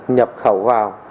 nhập khẩu vào